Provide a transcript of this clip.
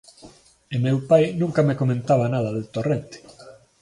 E meu pai nunca me comentaba nada de Torrente.